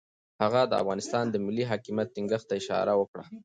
هغه د افغانستان د ملي حاکمیت ټینګښت ته اشاره وکړه.